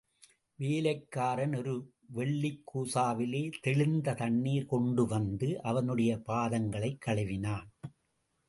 வேலைக்காரன் ஒரு வெள்ளிக் கூசாவிலே தெளிந்த தண்ணீர் கொண்டுவந்து அவனுடைய பாதங்களைக் கழுவினான்.